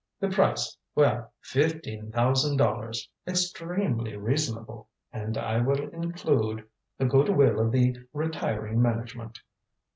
The price well fifteen thousand dollars. Extremely reasonable. And I will include the good will of the retiring management."